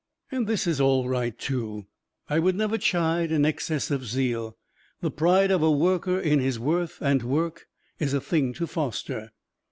And this is all right, too I would never chide an excess of zeal: the pride of a worker in his worth and work is a thing to foster.